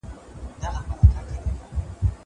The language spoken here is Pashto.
زه مخکي ليکنه کړې وه!